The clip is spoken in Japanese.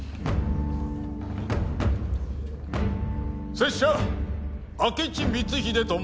拙者明智光秀と申す。